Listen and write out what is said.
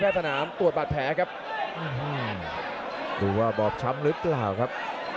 กระโดยสิ้งเล็กนี่ออกกันขาสันเหมือนกันครับ